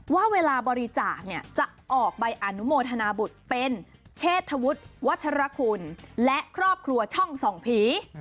ว่าเวลาบริจาคเนี่ยจะออกใบอนุโมทนาบุตรเป็นเชษฐวุฒิวัชรคุณและครอบครัวช่องส่องผี